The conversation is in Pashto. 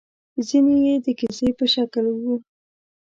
ځينې يې د کيسې په شکل وو.